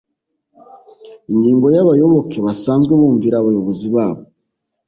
Ingingo ya Abayoboke basanzwe bumvira abayobozi babO